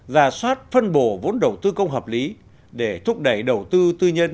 ra soát phân bổ vốn đầu tư công hợp lý để thúc đẩy đầu tư tư nhân